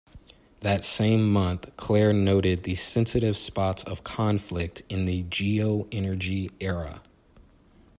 That same month, Klare noted the sensitive spots of conflict in the "Geo-energy era".